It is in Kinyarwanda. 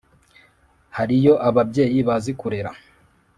Hariyo ababyeyi bazi kurera